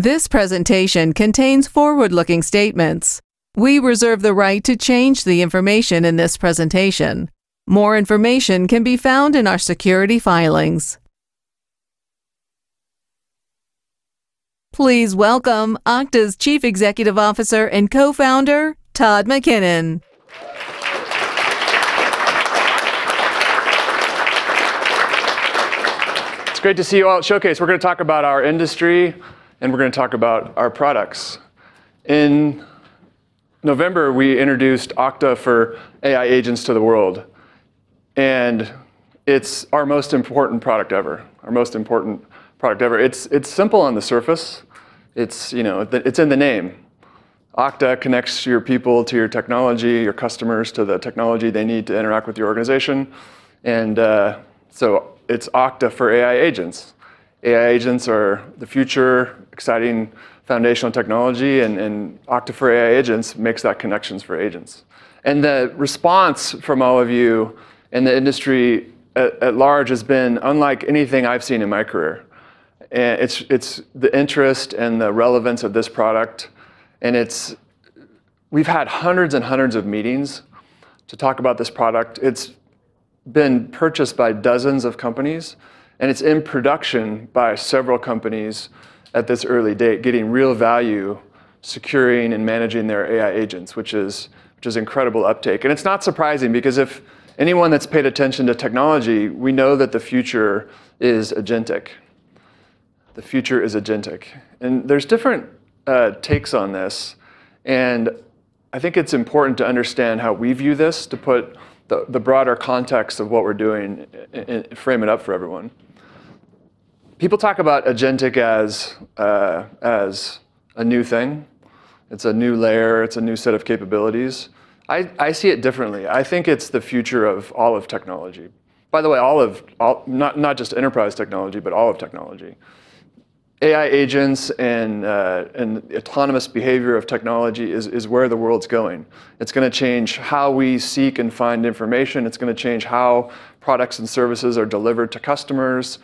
This presentation contains forward-looking statements. We reserve the right to change the information in this presentation. More information can be found in our SEC filings. Please welcome Okta's Chief Executive Officer and Co-founder, Todd McKinnon. It's great to see you all at Showcase. We're gonna talk about our industry, and we're gonna talk about our products. In November, we introduced Okta for AI Agents to the world, and it's our most important product ever. It's simple on the surface. It's, you know, it's in the name. Okta connects your people to your technology, your customers to the technology they need to interact with your organization, and so it's Okta for AI Agents. AI Agents are the future exciting foundational technology and Okta for AI Agents makes that connections for agents. The response from all of you and the industry at large has been unlike anything I've seen in my career. It's the interest and the relevance of this product, and it's. We've had hundreds and hundreds of meetings to talk about this product. It's been purchased by dozens of companies, and it's in production by several companies at this early date, getting real value securing and managing their AI agents, which is incredible uptake. It's not surprising because if anyone that's paid attention to technology, we know that the future is agentic. The future is agentic. There's different takes on this, and I think it's important to understand how we view this to put the broader context of what we're doing and frame it up for everyone. People talk about agentic as a new thing. It's a new layer. It's a new set of capabilities. I see it differently. I think it's the future of all of technology. By the way, all of technology. Not just enterprise technology, but all of technology. AI agents and autonomous behavior of technology is where the world's going. It's gonna change how we seek and find information. It's gonna change how products and services are delivered to customers.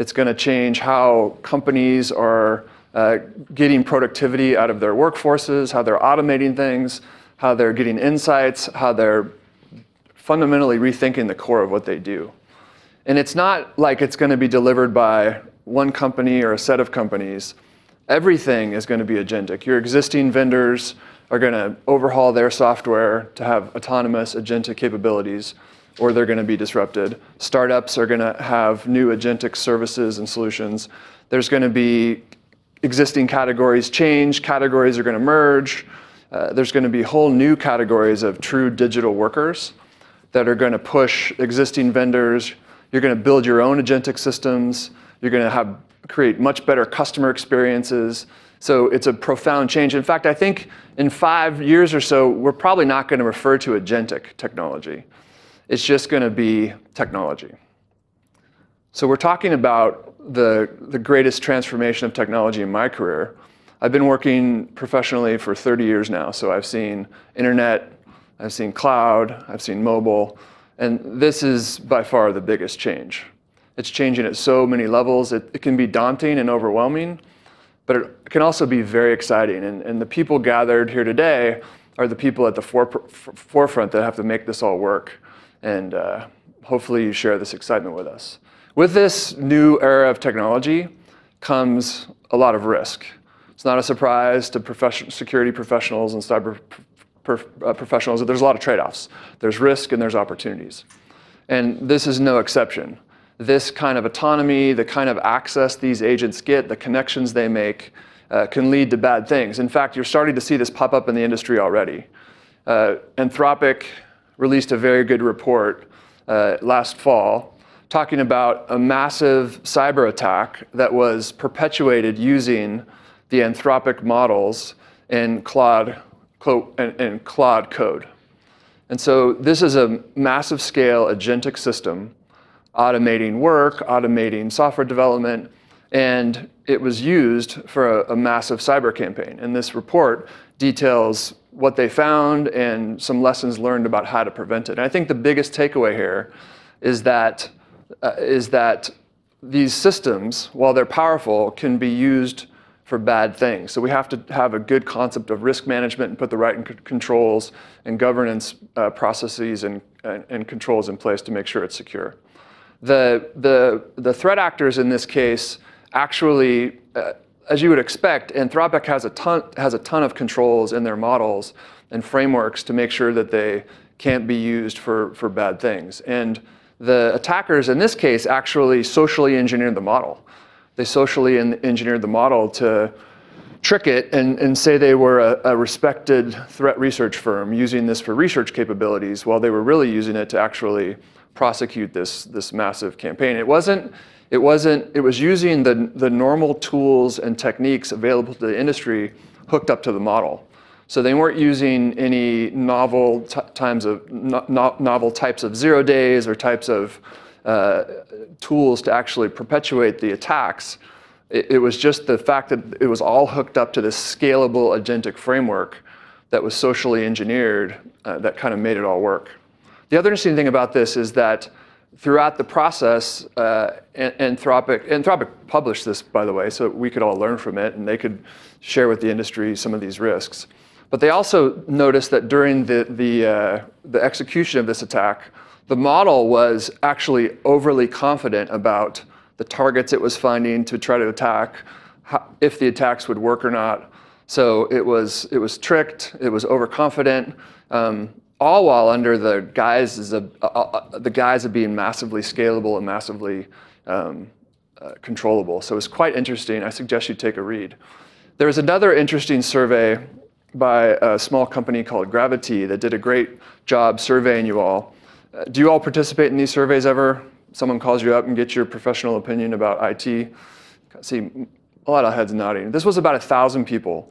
It's gonna change how companies are getting productivity out of their workforces, how they're automating things, how they're getting insights, how they're fundamentally rethinking the core of what they do. It's not like it's gonna be delivered by one company or a set of companies. Everything is gonna be agentic. Your existing vendors are gonna overhaul their software to have autonomous agentic capabilities, or they're gonna be disrupted. Startups are gonna have new agentic services and solutions. There's gonna be existing categories change. Categories are gonna merge. There's gonna be whole new categories of true digital workers that are gonna push existing vendors. You're gonna build your own agentic systems. You're gonna have create much better customer experiences. It's a profound change. In fact, I think in five years or so, we're probably not gonna refer to agentic technology. It's just gonna be technology. We're talking about the greatest transformation of technology in my career. I've been working professionally for 30 years now, so I've seen internet, I've seen cloud, I've seen mobile, and this is by far the biggest change. It's changing at so many levels. It can be daunting and overwhelming, but it can also be very exciting. The people gathered here today are the people at the forefront that have to make this all work, and hopefully you share this excitement with us. With this new era of technology comes a lot of risk. It's not a surprise to security professionals and cyber professionals that there's a lot of trade-offs. There's risk and there's opportunities, and this is no exception. This kind of autonomy, the kind of access these agents get, the connections they make, can lead to bad things. In fact, you're starting to see this pop up in the industry already. Anthropic released a very good report last fall talking about a massive cyberattack that was perpetrated using the Anthropic models and Claude Code. This is a massive scale agentic system automating work, automating software development, and it was used for a massive cyber campaign. This report details what they found and some lessons learned about how to prevent it. I think the biggest takeaway here is that these systems, while they're powerful, can be used for bad things. We have to have a good concept of risk management and put the right controls and governance processes and controls in place to make sure it's secure. The threat actors in this case actually, as you would expect, Anthropic has a ton of controls in their models and frameworks to make sure that they can't be used for bad things. The attackers in this case actually socially engineered the model. They socially engineered the model to trick it and say they were a respected threat research firm using this for research capabilities while they were really using it to actually prosecute this massive campaign. It was using the normal tools and techniques available to the industry hooked up to the model. They weren't using any novel types of zero days or types of tools to actually perpetrate the attacks. It was just the fact that it was all hooked up to this scalable agentic framework that was socially engineered that kinda made it all work. The other interesting thing about this is that throughout the process, Anthropic published this by the way, so we could all learn from it, and they could share with the industry some of these risks. They also noticed that during the execution of this attack, the model was actually overly confident about the targets it was finding to try to attack, if the attacks would work or not. It was tricked, it was overconfident, all while under the guise of being massively scalable and massively controllable. It was quite interesting. I suggest you take a read. There was another interesting survey by a small company called Gravitee that did a great job surveying you all. Do you all participate in these surveys ever? Someone calls you up and get your professional opinion about IT. I see a lot of heads nodding. This was about 1,000 people,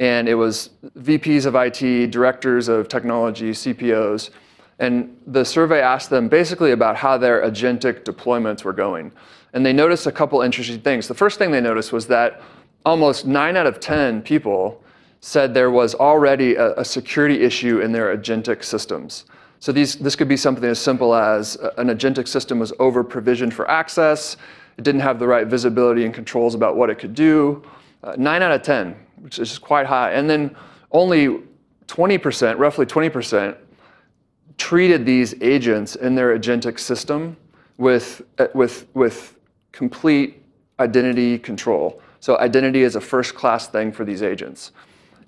and it was VPs of IT, directors of technology, CPOs, and the survey asked them basically about how their agentic deployments were going. They noticed a couple interesting things. The first thing they noticed was that almost nine out of ten people said there was already a security issue in their agentic systems. This could be something as simple as an agentic system was over-provisioned for access. It didn't have the right visibility and controls about what it could do. nine out of 10, which is quite high. Only 20%, roughly 20% treated these agents in their agentic system with complete identity control. Identity is a first-class thing for these agents.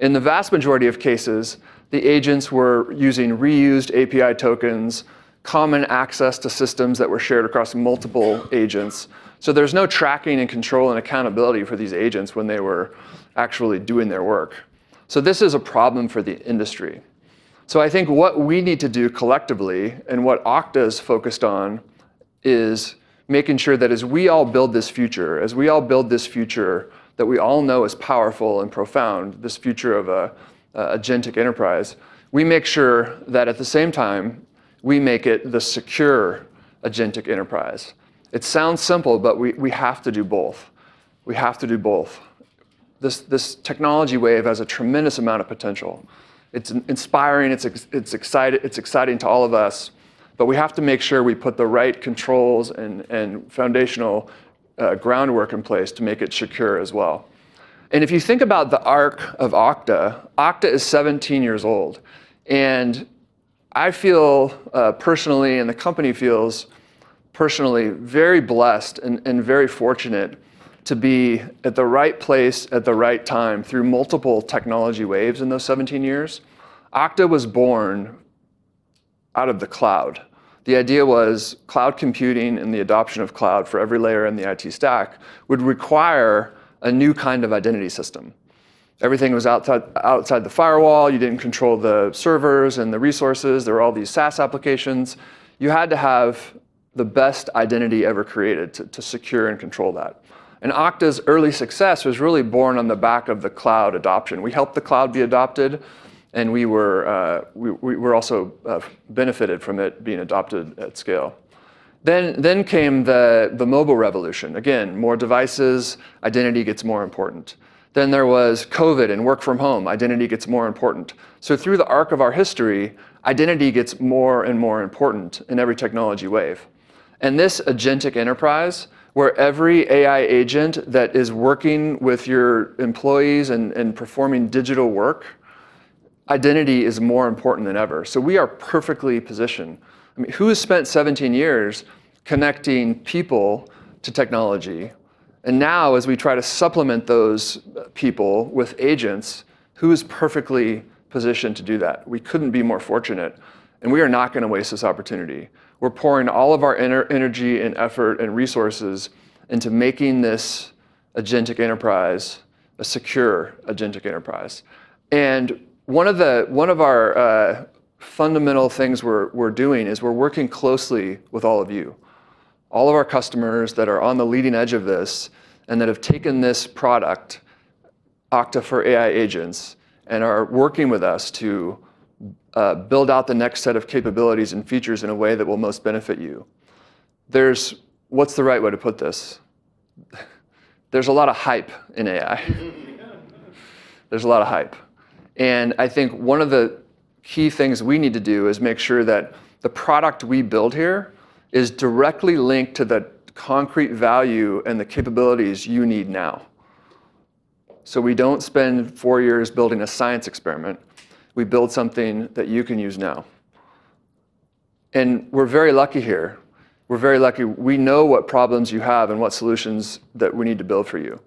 In the vast majority of cases, the agents were using reused API tokens, common access to systems that were shared across multiple agents. There's no tracking and control and accountability for these agents when they were actually doing their work. This is a problem for the industry. I think what we need to do collectively, and what Okta is focused on, is making sure that as we all build this future that we all know is powerful and profound, this future of a agentic enterprise, we make sure that at the same time, we make it the secure agentic enterprise. It sounds simple, but we have to do both. We have to do both. This technology wave has a tremendous amount of potential. It's inspiring, it's exciting to all of us, but we have to make sure we put the right controls and foundational groundwork in place to make it secure as well. If you think about the arc of Okta is 17 years old. I feel personally, and the company feels personally very blessed and very fortunate to be at the right place at the right time through multiple technology waves in those 17 years. Okta was born out of the cloud. The idea was cloud computing and the adoption of cloud for every layer in the IT stack would require a new kind of identity system. Everything was outside the firewall. You didn't control the servers and the resources. There were all these SaaS applications. You had to have the best identity ever created to secure and control that. Okta's early success was really born on the back of the cloud adoption. We helped the cloud be adopted, and we're also benefited from it being adopted at scale. Came the mobile revolution. Again, more devices, identity gets more important. There was COVID and work from home, identity gets more important. Through the arc of our history, identity gets more and more important in every technology wave. This agentic enterprise, where every AI agent that is working with your employees and performing digital work, identity is more important than ever. We are perfectly positioned. I mean, who has spent 17 years connecting people to technology? Now, as we try to supplement those people with agents, who's perfectly positioned to do that? We couldn't be more fortunate, and we are not gonna waste this opportunity. We're pouring all of our energy and effort and resources into making this agentic enterprise a secure agentic enterprise. One of our fundamental things we're doing is we're working closely with all of you, all of our customers that are on the leading edge of this and that have taken this product, Okta for AI Agents, and are working with us to build out the next set of capabilities and features in a way that will most benefit you. What's the right way to put this? There's a lot of hype in AI. There's a lot of hype. I think one of the key things we need to do is make sure that the product we build here is directly linked to the concrete value and the capabilities you need now. We don't spend four years building a science experiment. We build something that you can use now. We're very lucky here. We're very lucky. We know what problems you have and what solutions that we need to build for you.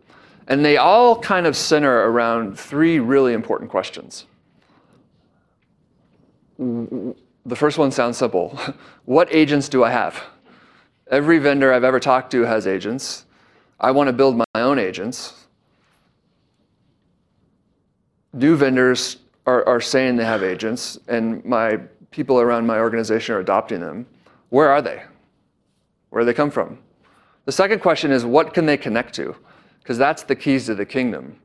They all kind of center around three really important questions. The first one sounds simple. What agents do I have? Every vendor I've ever talked to has agents. I wanna build my own agents. New vendors are saying they have agents, and my people around my organization are adopting them. Where are they? Where do they come from? The second question is, what can they connect to? 'Cause that's the keys to the kingdom.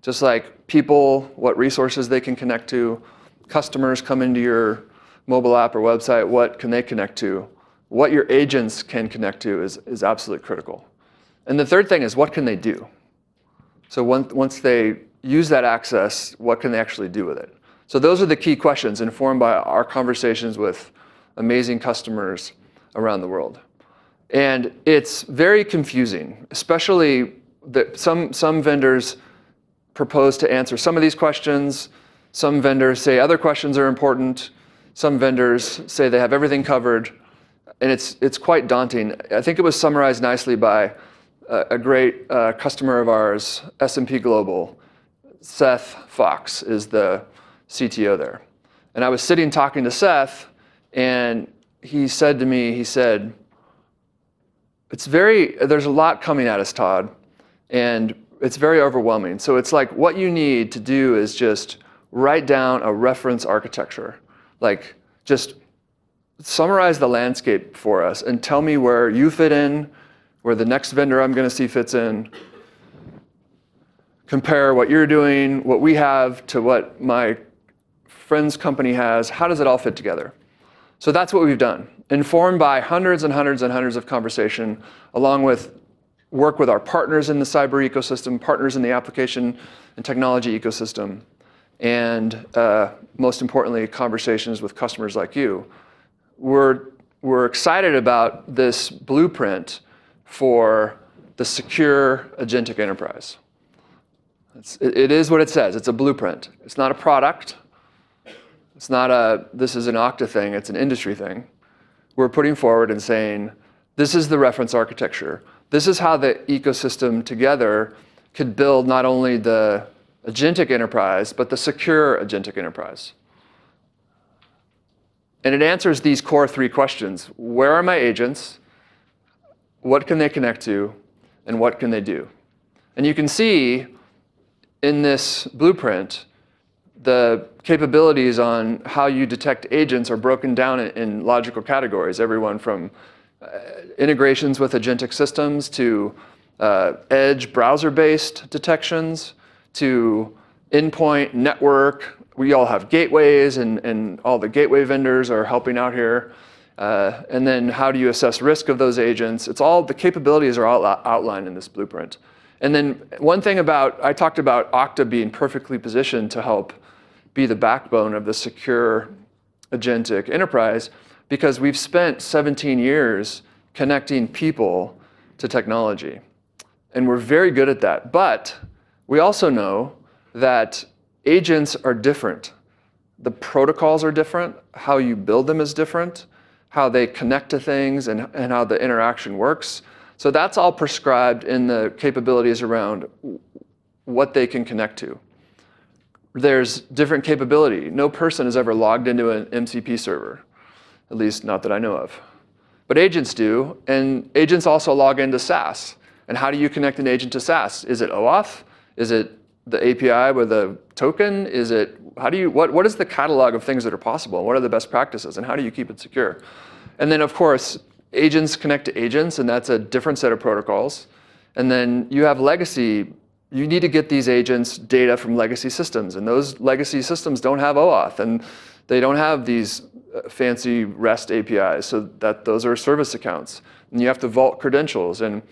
Just like people, what resources they can connect to, customers come into your mobile app or website, what can they connect to? What your agents can connect to is absolutely critical. The third thing is, what can they do? Once they use that access, what can they actually do with it? Those are the key questions informed by our conversations with amazing customers around the world. It's very confusing, especially some vendors propose to answer some of these questions, some vendors say other questions are important, some vendors say they have everything covered, and it's quite daunting. I think it was summarized nicely by a great customer of ours, S&P Global. Seth Fox is the CTO there. I was sitting talking to Seth, and he said to me, "It's very, there's a lot coming at us, Todd, and it's very overwhelming. It's like, what you need to do is just write down a reference architecture. Like, just summarize the landscape for us and tell me where you fit in, where the next vendor I'm gonna see fits in. Compare what you're doing, what we have to what my friend's company has. How does it all fit together?" That's what we've done. Informed by hundreds of conversations, along with work with our partners in the cyber ecosystem, partners in the application and technology ecosystem, and most importantly, conversations with customers like you. We're excited about this blueprint for the secure agentic enterprise. It is what it says. It's a blueprint. It's not a product. It's not a "This is an Okta thing," it's an industry thing we're putting forward and saying, "This is the reference architecture. This is how the ecosystem together could build not only the agentic enterprise, but the secure agentic enterprise." It answers these core three questions. Where are my agents? What can they connect to? And what can they do? You can see in this blueprint the capabilities on how you detect agents are broken down in logical categories, everything from integrations with agentic systems to edge browser-based detections to endpoint network. We all have gateways and all the gateway vendors are helping out here. How do you assess risk of those agents? It's all the capabilities are outlined in this blueprint. One thing about, I talked about Okta being perfectly positioned to help be the backbone of the secure agentic enterprise because we've spent 17 years connecting people to technology, and we're very good at that. We also know that agents are different. The protocols are different. How you build them is different. How they connect to things and how the interaction works. That's all prescribed in the capabilities around what they can connect to. There's different capability. No person has ever logged into an MCP server, at least not that I know of. Agents do, and agents also log into SaaS. How do you connect an agent to SaaS? Is it OAuth? Is it the API with a token? What is the catalog of things that are possible? What are the best practices, and how do you keep it secure? Then, of course, agents connect to agents, and that's a different set of protocols. Then you have legacy. You need to get these agents data from legacy systems, and those legacy systems don't have OAuth, and they don't have these fancy REST APIs, so that, those are service accounts, and you have to vault credentials and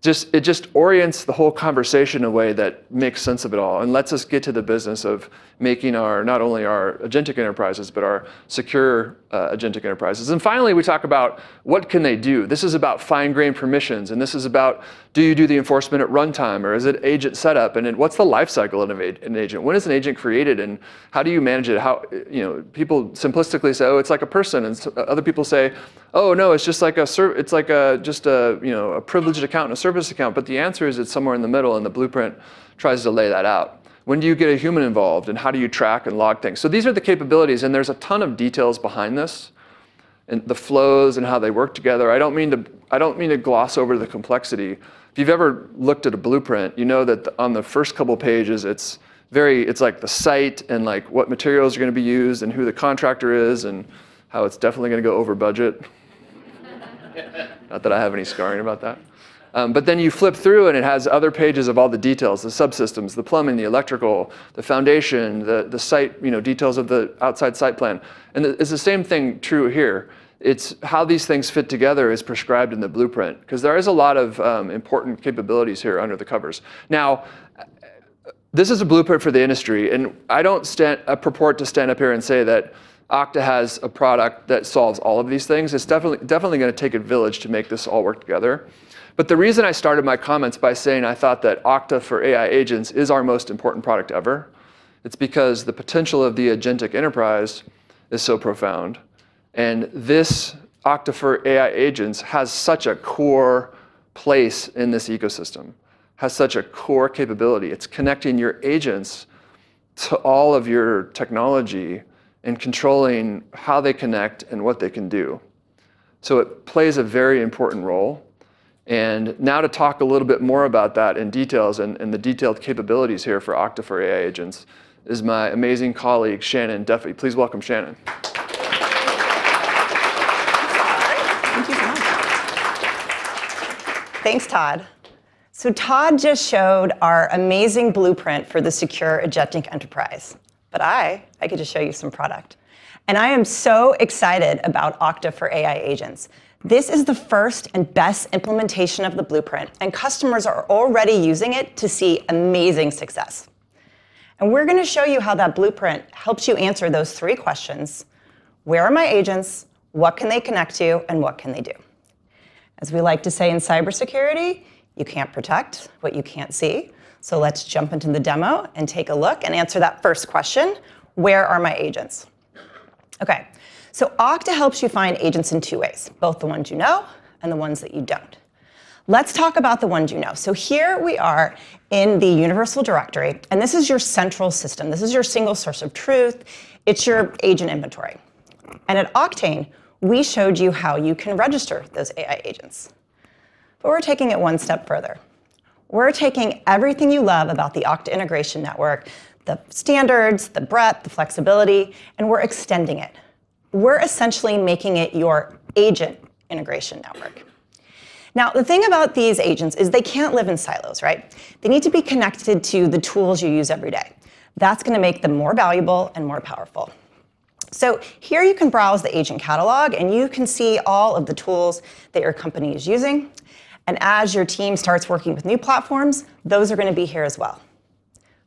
just, it just orients the whole conversation in a way that makes sense of it all and lets us get to the business of making our, not only our agentic enterprises, but our secure, agentic enterprises. Finally, we talk about what can they do? This is about fine-grained permissions, and this is about do you do the enforcement at runtime, or is it agent setup? Then what's the lifecycle of an agent? When is an agent created, and how do you manage it? You know, people simplistically say, "Oh, it's like a person," and other people say, "Oh, no, it's like just, you know, a privileged account and a service account." The answer is it's somewhere in the middle, and the blueprint tries to lay that out. When do you get a human involved, and how do you track and log things? These are the capabilities, and there's a ton of details behind this and the flows and how they work together. I don't mean to gloss over the complexity. If you've ever looked at a blueprint, you know that on the first couple pages it's very, like the site and, like, what materials are gonna be used and who the contractor is and how it's definitely gonna go over budget. Not that I have any scaring about that. You flip through and it has other pages of all the details, the subsystems, the plumbing, the electrical, the foundation, the site, you know, details of the outside site plan. It's the same thing true here. It's how these things fit together is prescribed in the blueprint, 'cause there is a lot of important capabilities here under the covers. Now, this is a blueprint for the industry, and I don't purport to stand up here and say that Okta has a product that solves all of these things. It's definitely gonna take a village to make this all work together. The reason I started my comments by saying I thought that Okta for AI Agents is our most important product ever, it's because the potential of the agentic enterprise is so profound, and this Okta for AI Agents has such a core place in this ecosystem, has such a core capability. It's connecting your agents to all of your technology and controlling how they connect and what they can do. It plays a very important role. Now to talk a little bit more about that in detail and the detailed capabilities here for Okta for AI Agents is my amazing colleague, Shannon Duffy. Please welcome Shannon. Thank you so much. Thanks, Todd. Todd just showed our amazing blueprint for the secure agentic enterprise. I get to show you some product. I am so excited about Okta for AI Agents. This is the first and best implementation of the blueprint, and customers are already using it to see amazing success. We're gonna show you how that blueprint helps you answer those three questions. Where are my agents? What can they connect to? And what can they do? As we like to say in cybersecurity, you can't protect what you can't see, so let's jump into the demo and take a look and answer that first question. Where are my agents? Okay, so Okta helps you find agents in two ways, both the ones you know and the ones that you don't. Let's talk about the ones you know. Here we are in the Universal Directory, and this is your central system. This is your single source of truth. It's your agent inventory. At Oktane, we showed you how you can register those AI agents. We're taking it one step further. We're taking everything you love about the Okta Integration Network, the standards, the breadth, the flexibility, and we're extending it. We're essentially making it your agent integration network. Now, the thing about these agents is they can't live in silos, right? They need to be connected to the tools you use every day. That's gonna make them more valuable and more powerful. Here you can browse the agent catalog, and you can see all of the tools that your company is using. As your team starts working with new platforms, those are gonna be here as well.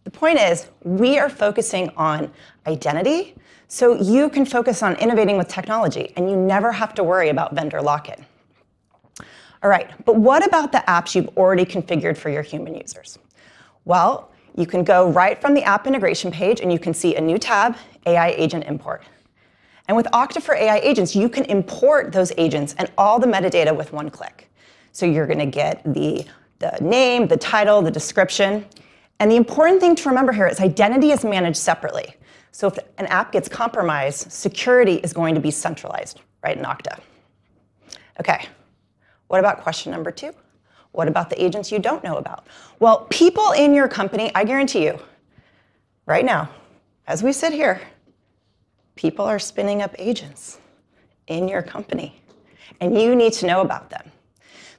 The point is, we are focusing on identity, so you can focus on innovating with technology, and you never have to worry about vendor lock-in. All right, what about the apps you've already configured for your human users? Well, you can go right from the app integration page, and you can see a new tab, AI agent import. With Okta for AI agents, you can import those agents and all the metadata with one click. You're gonna get the name, the title, the description. The important thing to remember here is identity is managed separately. If an app gets compromised, security is going to be centralized, right in Okta. Okay. What about question number two? What about the agents you don't know about? Well, people in your company, I guarantee you right now, as we sit here, people are spinning up agents in your company, and you need to know about them.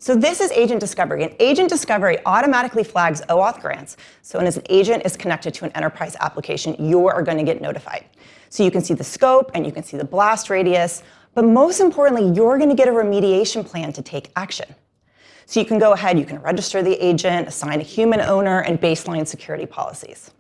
This is agent discovery, and agent discovery automatically flags OAuth grants, so when an agent is connected to an enterprise application, you are gonna get notified. You can see the scope, and you can see the blast radius, but most importantly, you're gonna get a remediation plan to take action. You can go ahead, you can register the agent, assign a human owner, and baseline security policies.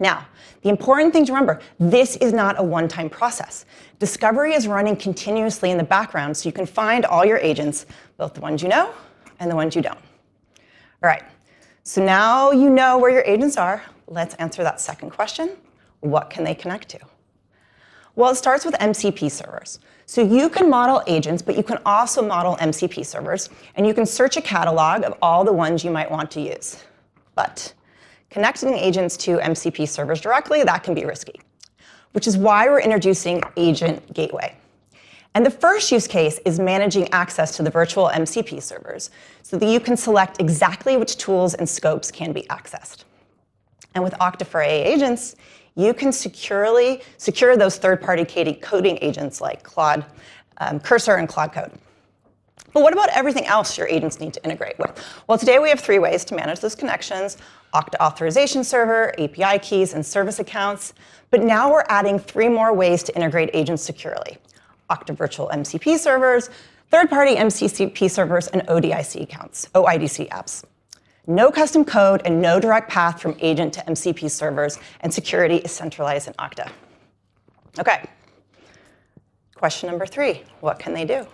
Now, the important thing to remember, this is not a one-time process. Discovery is running continuously in the background, so you can find all your agents, both the ones you know and the ones you don't. All right, now you know where your agents are. Let's answer that second question: What can they connect to? It starts with MCP servers. You can model agents, but you can also model MCP servers, and you can search a catalog of all the ones you might want to use. Connecting agents to MCP servers directly, that can be risky, which is why we're introducing Agent Gateway. The first use case is managing access to the virtual MCP servers, so that you can select exactly which tools and scopes can be accessed. With Okta for AI Agents, you can securely secure those third-party coding agents like Claude, Cursor, and Claude Code. What about everything else your agents need to integrate with? Today we have three ways to manage those connections. Okta authorization server, API keys, and service accounts. Now we're adding three more ways to integrate agents securely: Okta virtual MCP servers, third-party MCP servers, and OIDC accounts, OIDC apps. No custom code and no direct path from agent to MCP servers, and security is centralized in Okta. Okay. Question number three: What can they do?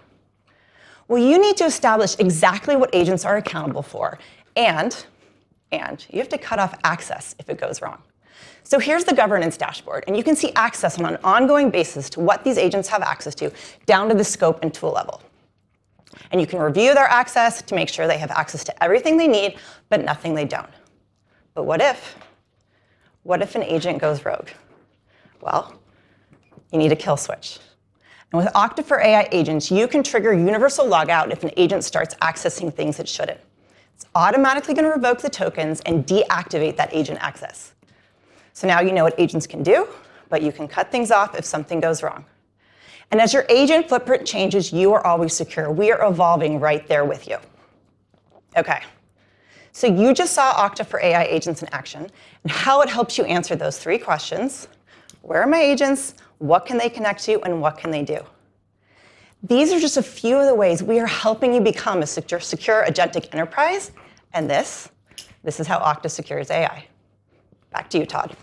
Well, you need to establish exactly what agents are accountable for, and you have to cut off access if it goes wrong. Here's the governance dashboard, and you can see access on an ongoing basis to what these agents have access to, down to the scope and tool level. You can review their access to make sure they have access to everything they need, but nothing they don't. What if? What if an agent goes rogue? Well, you need a kill switch. With Okta for AI Agents, you can trigger universal logout if an agent starts accessing things it shouldn't. It's automatically gonna revoke the tokens and deactivate that agent access. Now you know what agents can do, but you can cut things off if something goes wrong. As your agent footprint changes, you are always secure. We are evolving right there with you. Okay. You just saw Okta for AI Agents in action and how it helps you answer those three questions. Where are my agents? What can they connect to? And what can they do? These are just a few of the ways we are helping you become a secure agentic enterprise, and this is how Okta secures AI. Back to you, Todd.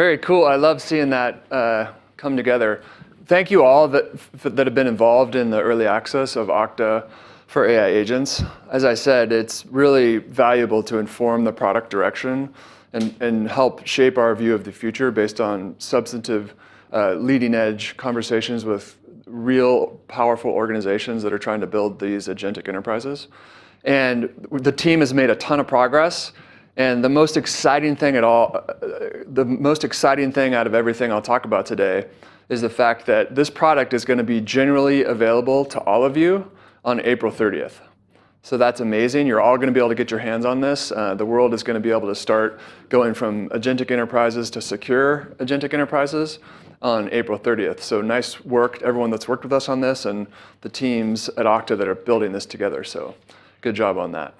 Very cool. I love seeing that come together. Thank you all that have been involved in the early access of Okta for AI Agents. As I said, it's really valuable to inform the product direction and help shape our view of the future based on substantive leading-edge conversations with real powerful organizations that are trying to build these agentic enterprises. The team has made a ton of progress, and the most exciting thing out of everything I'll talk about today is the fact that this product is gonna be generally available to all of you on April thirtieth. That's amazing. You're all gonna be able to get your hands on this. The world is gonna be able to start going from agentic enterprises to secure agentic enterprises on April 30th. Nice work, everyone that's worked with us on this, and the teams at Okta that are building this together. Good job on that.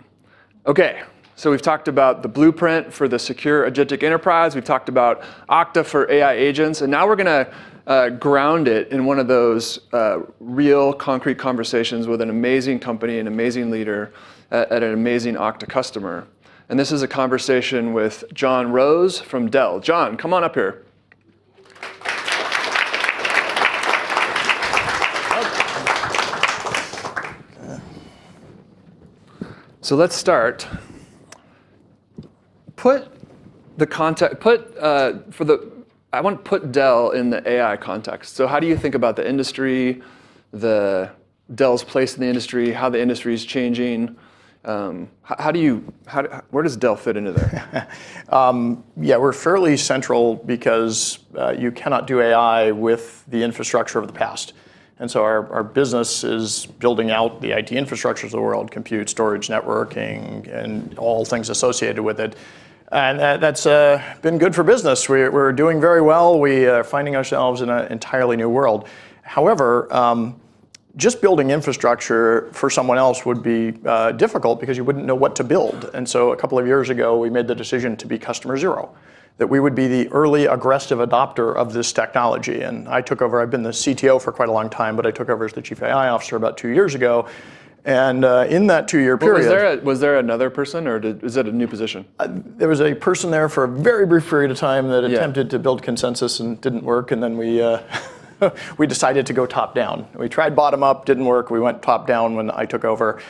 Okay, we've talked about the blueprint for the secure agentic enterprise. We've talked about Okta for AI Agents, and now we're gonna ground it in one of those real concrete conversations with an amazing company and amazing leader at an amazing Okta customer. This is a conversation with John Roese from Dell. John, come on up here. Let's start. I want to put Dell in the AI context. How do you think about the industry, Dell's place in the industry, how the industry's changing? How do you how where does Dell fit into there? Yeah, we're fairly central because you cannot do AI with the infrastructure of the past. Our business is building out the IT infrastructures of the world, compute, storage, networking, and all things associated with it. That's been good for business. We're doing very well. We're finding ourselves in an entirely new world. However, just building infrastructure for someone else would be difficult because you wouldn't know what to build. A couple of years ago, we made the decision to be customer zero, that we would be the early aggressive adopter of this technology. I took over. I've been the CTO for quite a long time, but I took over as the Chief AI Officer about two years ago. In that two-year period Was there another person or was it a new position? There was a person there for a very brief period of time. Yeah. We attempted to build consensus and didn't work, and then we decided to go top down. We tried bottom up, didn't work. We went top down when I took over,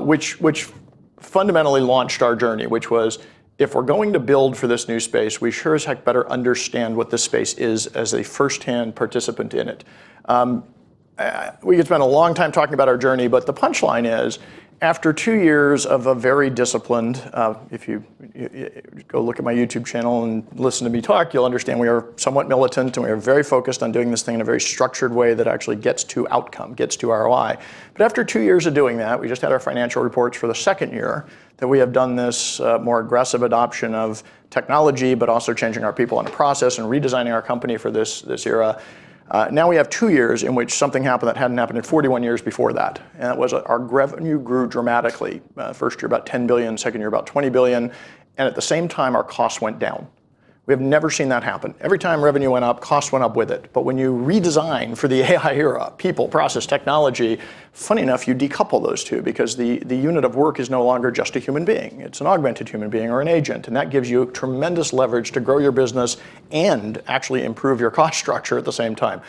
which fundamentally launched our journey, which was, if we're going to build for this new space, we sure as heck better understand what this space is as a first-hand participant in it. We could spend a long time talking about our journey, but the punchline is, after two years of a very disciplined, if you go look at my YouTube channel and listen to me talk, you'll understand we are somewhat militant, and we are very focused on doing this thing in a very structured way that actually gets to outcome, gets to ROI. After two years of doing that, we just had our financial reports for the second year that we have done this, more aggressive adoption of technology, but also changing our people and process and redesigning our company for this era. Now we have two years in which something happened that hadn't happened in 41 years before that, and it was our revenue grew dramatically. First year about $10 billion, second year about $20 billion, and at the same time, our costs went down. We have never seen that happen. Every time revenue went up, costs went up with it. But when you redesign for the AI era, people, process, technology, funny enough, you decouple those two because the unit of work is no longer just a human being. It's an augmented human being or an agent, and that gives you tremendous leverage to grow your business and actually improve your cost structure at the same time.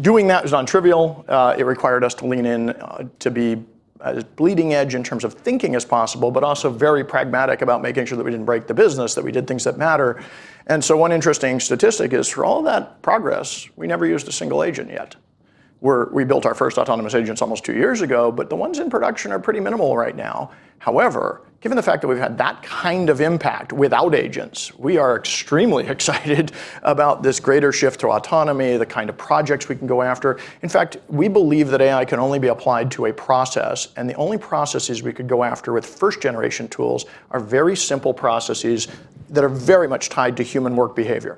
Doing that is nontrivial. It required us to lean in, to be as bleeding edge in terms of thinking as possible, but also very pragmatic about making sure that we didn't break the business, that we did things that matter. One interesting statistic is for all that progress, we never used a single agent yet. We built our first autonomous agents almost two years ago, but the ones in production are pretty minimal right now. However, given the fact that we've had that kind of impact without agents, we are extremely excited about this greater shift to autonomy, the kind of projects we can go after. In fact, we believe that AI can only be applied to a process, and the only processes we could go after with first generation tools are very simple processes that are very much tied to human work behavior.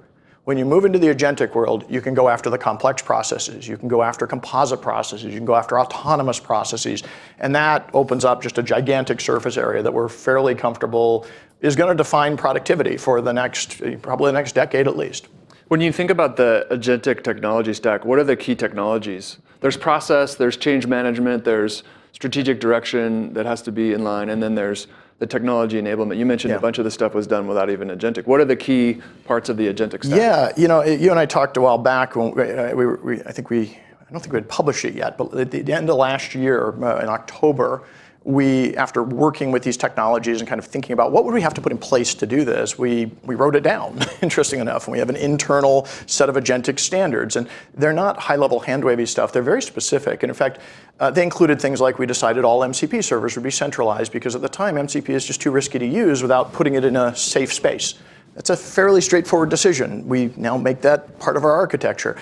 When you move into the agentic world, you can go after the complex processes, you can go after composite processes, you can go after autonomous processes, and that opens up just a gigantic surface area that we're fairly comfortable is gonna define productivity for the next, probably the next decade at least. When you think about the agentic technology stack, what are the key technologies? There's process, there's change management, there's strategic direction that has to be in line, and then there's the technology enablement. Yeah. You mentioned a bunch of this stuff was done without even agentic. What are the key parts of the agentic stack? Yeah, you know, you and I talked a while back when we, I don't think we had published it yet, but at the end of last year in October, we wrote it down, interesting enough. We have an internal set of agentic standards, and they're not high-level, hand-wavey stuff. They're very specific. In fact, they included things like we decided all MCP servers would be centralized because at the time, MCP is just too risky to use without putting it in a safe space. That's a fairly straightforward decision. We now make that part of our architecture.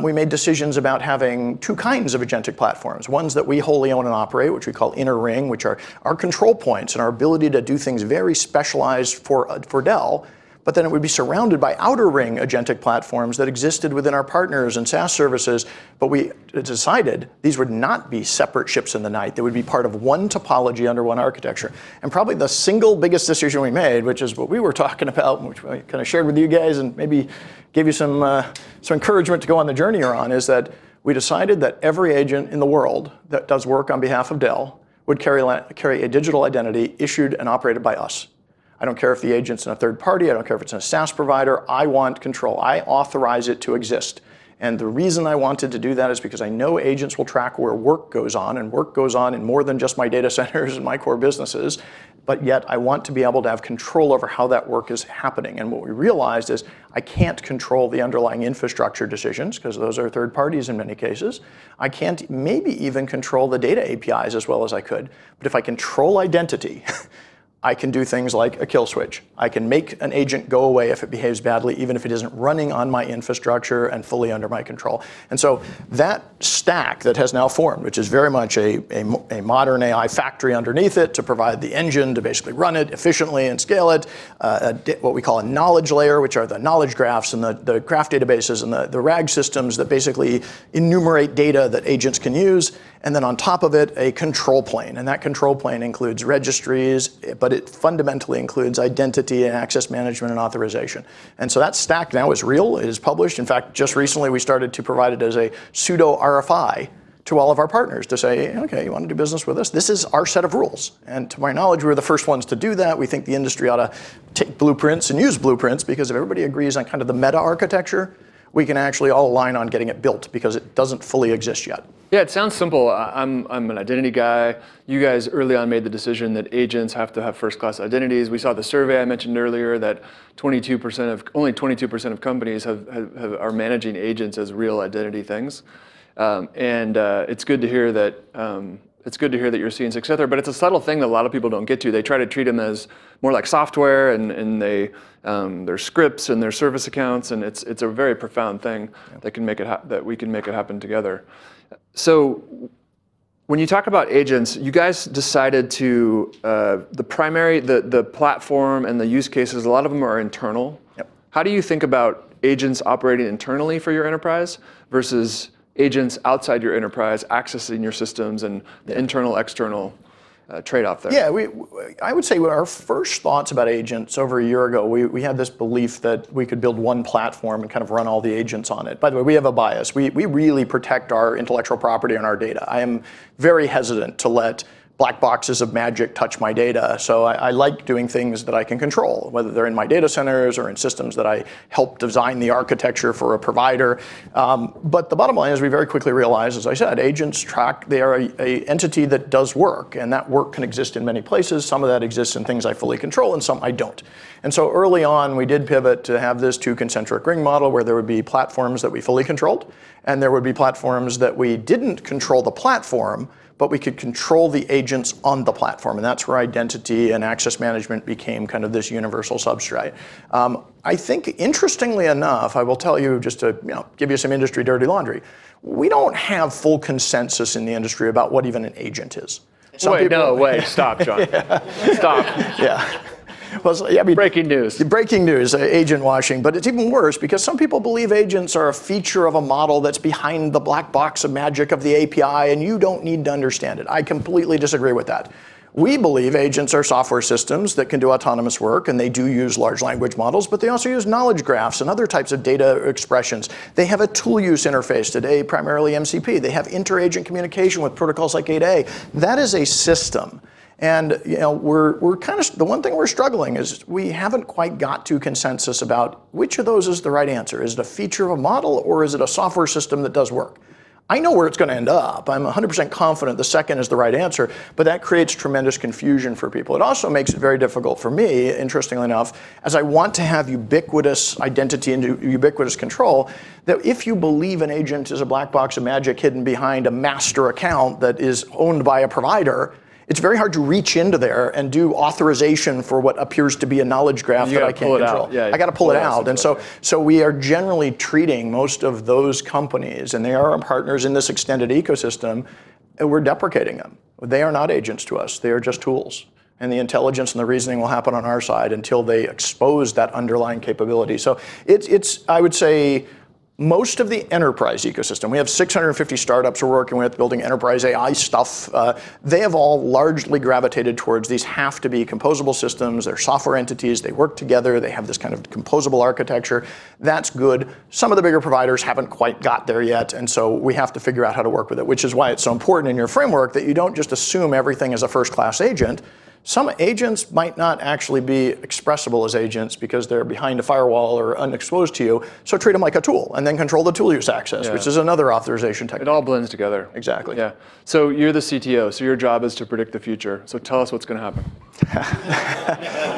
We made decisions about having two kinds of agentic platforms, ones that we wholly own and operate, which we call inner ring, which are our control points and our ability to do things very specialized for Dell, but then it would be surrounded by outer ring agentic platforms that existed within our partners and SaaS services. We decided these would not be separate ships in the night. They would be part of one topology under one architecture. Probably the single biggest decision we made, which is what we were talking about, and which I kind of shared with you guys, and maybe give you some encouragement to go on the journey you're on, is that we decided that every agent in the world that does work on behalf of Dell would carry a digital identity issued and operated by us. I don't care if the agent's in a third party, I don't care if it's in a SaaS provider, I want control. I authorize it to exist. The reason I wanted to do that is because I know agents will track where work goes on, and work goes on in more than just my data centers and my core businesses, but yet I want to be able to have control over how that work is happening. What we realized is I can't control the underlying infrastructure decisions because those are third parties in many cases. I can't maybe even control the data APIs as well as I could. If I control identity, I can do things like a kill switch. I can make an agent go away if it behaves badly, even if it isn't running on my infrastructure and fully under my control. That stack that has now formed, which is very much a modern AI factory underneath it to provide the engine to basically run it efficiently and scale it, what we call a knowledge layer, which are the knowledge graphs and the graph databases and the RAG systems that basically enumerate data that agents can use, and then on top of it, a control plane. That control plane includes registries, but it fundamentally includes identity and access management and authorization. That stack now is real, it is published. In fact, just recently, we started to provide it as a pseudo RFI to all of our partners to say, "Okay, you wanna do business with us? This is our set of rules." To my knowledge, we're the first ones to do that. We think the industry ought to take blueprints and use blueprints, because if everybody agrees on kind of the meta architecture, we can actually all align on getting it built because it doesn't fully exist yet. Yeah, it sounds simple. I'm an identity guy. You guys early on made the decision that agents have to have first-class identities. We saw the survey I mentioned earlier, that only 22% of companies are managing agents as real identity things. It's good to hear that you're seeing success there, but it's a subtle thing that a lot of people don't get to. They try to treat them as more like software and they their scripts and their service accounts, and it's a very profound thing. Yeah. That we can make it happen together. When you talk about agents, you guys decided to the platform and the use cases, a lot of them are internal. Yep. How do you think about agents operating internally for your enterprise versus agents outside your enterprise accessing your systems and the internal, external, trade-off there? Yeah. I would say our first thoughts about agents, so over a year ago, we had this belief that we could build one platform and kind of run all the agents on it. By the way, we have a bias. We really protect our intellectual property and our data. I am very hesitant to let black boxes of magic touch my data, so I like doing things that I can control, whether they're in my data centers or in systems that I helped design the architecture for a provider. The bottom line is we very quickly realized, as I said. They are an entity that does work, and that work can exist in many places. Some of that exists in things I fully control, and some I don't. Early on, we did pivot to have this two concentric ring model where there would be platforms that we fully controlled, and there would be platforms that we didn't control the platform, but we could control the agents on the platform, and that's where identity and access management became kind of this universal substrate. I think interestingly enough, I will tell you just to, you know, give you some industry dirty laundry, we don't have full consensus in the industry about what even an agent is. Some people. Wait, no way. Stop, John. Stop. Well, yeah, I mean. Breaking news. Breaking news, agent washing, but it's even worse because some people believe agents are a feature of a model that's behind the black box of magic of the API, and you don't need to understand it. I completely disagree with that. We believe agents are software systems that can do autonomous work, and they do use large language models, but they also use knowledge graphs and other types of data expressions. They have a tool use interface today, primarily MCP. They have inter-agent communication with protocols like A2A. That is a system, and, you know, we're kind of. The one thing we're struggling is we haven't quite got to consensus about which of those is the right answer. Is it a feature of a model, or is it a software system that does work? I know where it's gonna end up. I'm 100% confident the second is the right answer, but that creates tremendous confusion for people. It also makes it very difficult for me, interestingly enough, as I want to have ubiquitous identity and ubiquitous control, that if you believe an agent is a black box of magic hidden behind a master account that is owned by a provider, it's very hard to reach into there and do authorization for what appears to be a knowledge graph that I can't control. You gotta pull it out. Yeah, you just pull it out. I gotta pull it out. We are generally treating most of those companies, and they are our partners in this extended ecosystem, and we're deprecating them. They are not agents to us. They are just tools, and the intelligence and the reasoning will happen on our side until they expose that underlying capability. It's, I would say, most of the enterprise ecosystem, we have 650 startups we're working with building enterprise AI stuff, they have all largely gravitated towards these have to be composable systems. They're software entities. They work together. They have this kind of composable architecture. That's good. Some of the bigger providers haven't quite got there yet, and so we have to figure out how to work with it, which is why it's so important in your framework that you don't just assume everything is a first-class agent. Some agents might not actually be expressible as agents because they're behind a firewall or unexposed to you, so treat them like a tool and then control the tool use access. Yeah. Which is another authorization technique. It all blends together. Exactly. Yeah. You're the CTO, so your job is to predict the future. Tell us what's gonna happen?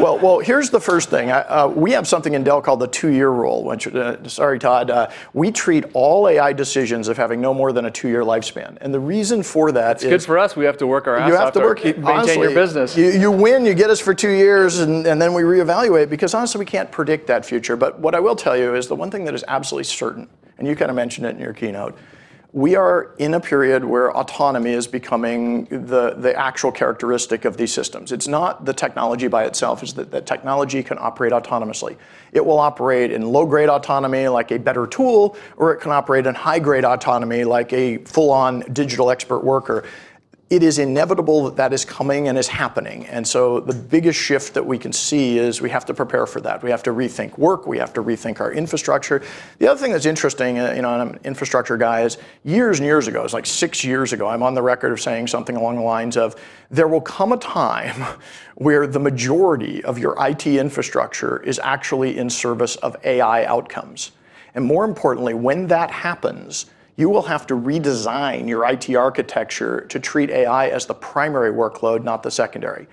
Well, well, here's the first thing. I, we have something in Dell called the two-year rule, which, sorry, Todd, we treat all AI decisions of having no more than a two-year lifespan, and the reason for that is. It's good for us. We have to work our ass off to keep. You have to work, honestly. Maintaining your business. You win, you get us for two years and then we reevaluate because honestly, we can't predict that future. What I will tell you is the one thing that is absolutely certain, and you kind of mentioned it in your keynote. We are in a period where autonomy is becoming the actual characteristic of these systems. It's not the technology by itself. It's the technology can operate autonomously. It will operate in low-grade autonomy like a better tool, or it can operate in high-grade autonomy like a full-on digital expert worker. It is inevitable that that is coming and is happening, and so the biggest shift that we can see is we have to prepare for that. We have to rethink work. We have to rethink our infrastructure. The other thing that's interesting, you know, and I'm an infrastructure guy, is years and years ago, it was like six years ago, I'm on the record of saying something along the lines of, "There will come a time where the majority of your IT infrastructure is actually in service of AI outcomes. And more importantly, when that happens, you will have to redesign your IT architecture to treat AI as the primary workload, not the secondary."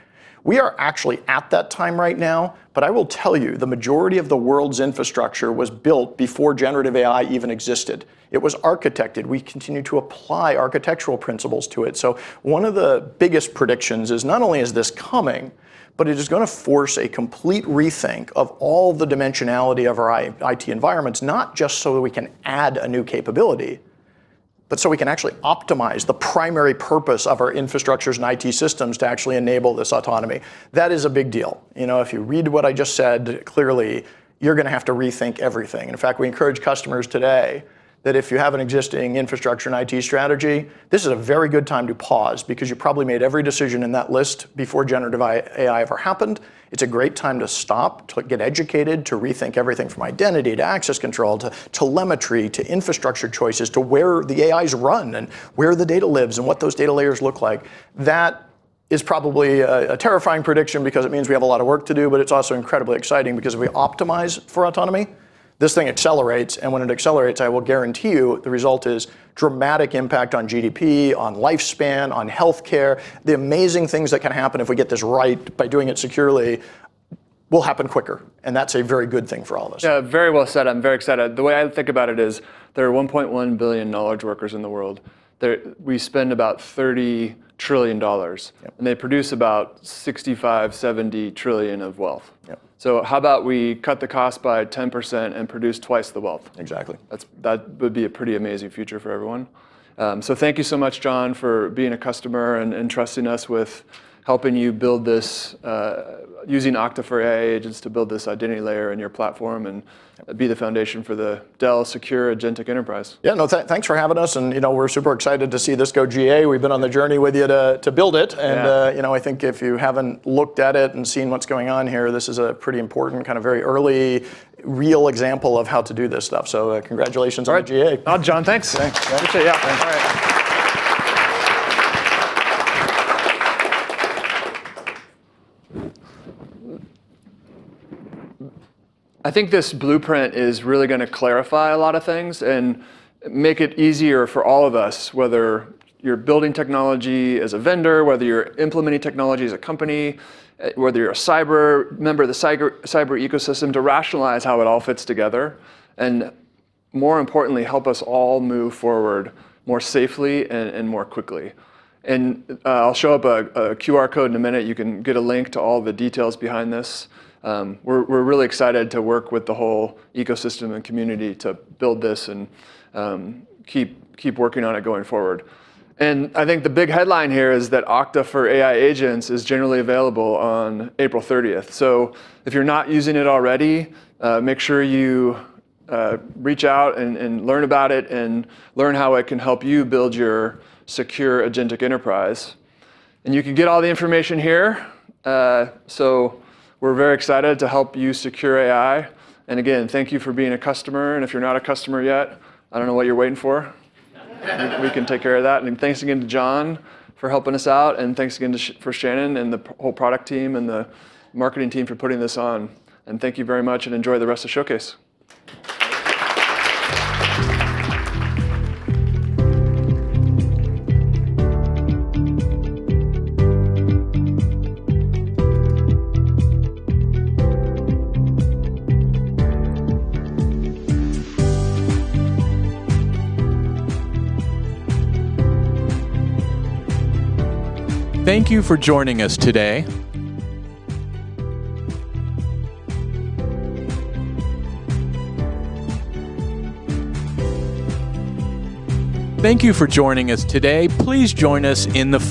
We are actually at that time right now, but I will tell you, the majority of the world's infrastructure was built before generative AI even existed. It was architected. We continue to apply architectural principles to it. One of the biggest predictions is not only is this coming, but it is gonna force a complete rethink of all the dimensionality of our IT environments, not just so that we can add a new capability, but so we can actually optimize the primary purpose of our infrastructures and IT systems to actually enable this autonomy. That is a big deal. You know, if you read what I just said, clearly you're gonna have to rethink everything. In fact, we encourage customers today that if you have an existing infrastructure and IT strategy, this is a very good time to pause because you probably made every decision in that list before generative AI ever happened. It's a great time to stop, to get educated, to rethink everything from identity to access control to telemetry to infrastructure choices to where the AIs run and where the data lives and what those data layers look like. That is probably a terrifying prediction because it means we have a lot of work to do, but it's also incredibly exciting because if we optimize for autonomy, this thing accelerates, and when it accelerates, I will guarantee you the result is dramatic impact on GDP, on lifespan, on healthcare. The amazing things that can happen if we get this right by doing it securely will happen quicker, and that's a very good thing for all of us. Yeah, very well said. I'm very excited. The way I think about it is there are 1.1 billion knowledge workers in the world. We spend about $30 trillion. Yep. They produce about $65 trillion-$70 trillion of wealth. Yep. How about we cut the cost by 10% and produce twice the wealth? Exactly. That would be a pretty amazing future for everyone. Thank you so much, John, for being a customer and trusting us with helping you build this, using Okta for AI Agents to build this identity layer in your platform and be the foundation for the Dell Secure Agentic Enterprise. Yeah, no, thanks for having us, and you know, we're super excited to see this go GA. We've been on the journey with you to build it. Yeah. You know, I think if you haven't looked at it and seen what's going on here, this is a pretty important, kind of very early real example of how to do this stuff. Congratulations. All right. On GA. John, thanks. Thanks. Appreciate it. Yeah. All right. I think this blueprint is really gonna clarify a lot of things and make it easier for all of us, whether you're building technology as a vendor, whether you're implementing technology as a company, whether you're a member of the cyber ecosystem, to rationalize how it all fits together and more importantly, help us all move forward more safely and more quickly. I'll show you a QR code in a minute, you can get a link to all the details behind this. We're really excited to work with the whole ecosystem and community to build this and keep working on it going forward. I think the big headline here is that Okta for AI Agents is generally available on April 30th. If you're not using it already, make sure you reach out and learn about it and learn how it can help you build your secure agentic enterprise. You can get all the information here. We're very excited to help you secure AI. Again, thank you for being a customer. If you're not a customer yet, I don't know what you're waiting for. We can take care of that. Thanks again to John for helping us out, and thanks again to for Shannon and the whole product team and the marketing team for putting this on. Thank you very much and enjoy the rest of Showcase. Thank you for joining us today.